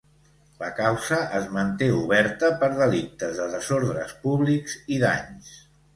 La causa es manté oberta per delictes de desordres públics i danys.